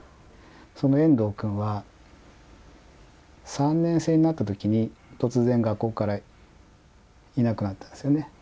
そのエンドウ君は３年生になった時に突然学校からいなくなったんですよね。